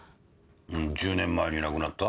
１０年前に亡くなった？